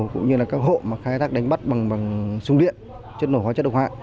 cũng như là các hộ mà khai thác đánh bắt bằng sung điện chất nổ hóa chất độc hại